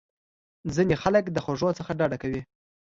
ځینې خلک د خوږو څخه ډډه کوي.